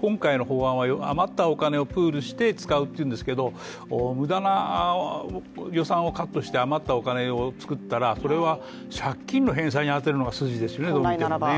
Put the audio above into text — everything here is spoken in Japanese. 今回の法案は余ったお金をプールして使うというんですけれども、無駄な予算をカットして、余ったお金を作ったらそれは借金の返済に充てるのが筋ですよね、どう見てもね。